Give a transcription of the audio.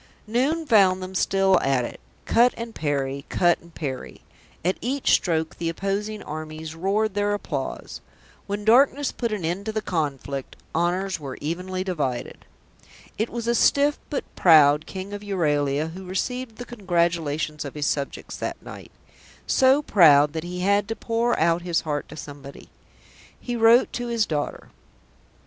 Noon found them still at it; cut and parry, cut and parry; at each stroke the opposing armies roared their applause. When darkness put an end to the conflict, honours were evenly divided. It was a stiff but proud King of Euralia who received the congratulations of his subjects that night; so proud that he had to pour out his heart to somebody. He wrote to his daughter.